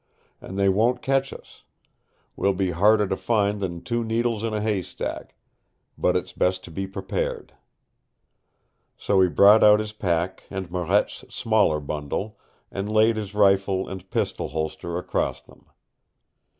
"And they won't catch us. We'll be harder to find than two needles in a haystack. But it's best to be prepared." So he brought out his pack and Marette's smaller bundle, and laid his rifle and pistol holster across them.